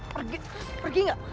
pergi pergi nggak